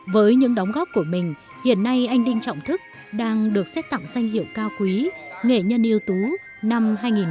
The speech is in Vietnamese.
với những đóng góp của mình hiện nay anh đinh trọng thức đang được xét tặng danh hiệu cao quý nghệ nhân yếu tố năm hai nghìn một mươi